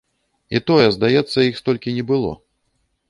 І тое, здаецца, іх столькі не было.